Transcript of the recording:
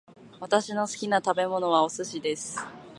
私の好きな食べ物はお寿司です